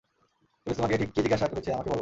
Police তোমাকে ঠিক কি জিজ্ঞাসা করেছে আমাকে বলো।